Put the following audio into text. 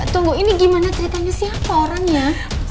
tunggu ini gimana ceritanya siapa orangnya